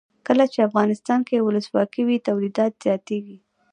کله چې افغانستان کې ولسواکي وي تولیدات زیاتیږي.